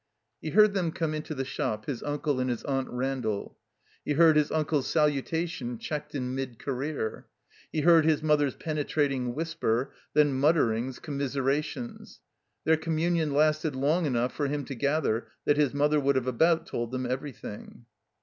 He heard them come into the shop, his Uncle and his Aunt Randall. He heard his uncle's salutation checked in mid career. He heard his mother's pene trating whisper, then mutterings, commiserations. Their commtmion lasted long enouglj for him to gather that his mother would have about told them everything.